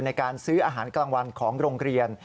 ในการซื้ออาหารกลางวันของโรงเรียน